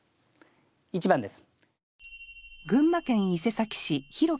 １番です。